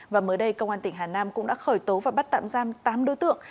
và mới đây công an tỉnh hà nam cũng đã khởi tố và bắt tạm giam tám đối tượng